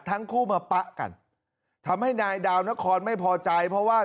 ทั้งคู่มาปะกันทำให้นายดาวนครไม่พอใจเพราะว่า